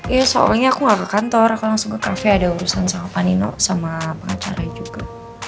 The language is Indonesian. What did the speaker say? ya soalnya aku gak ke kantor aku langsung ke cafe ada urusan sama pak nino sama pengacara juga